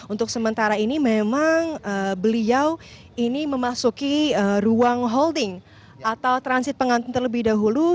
untuk sementara ini memang beliau ini memasuki ruang holding atau transit pengantin terlebih dahulu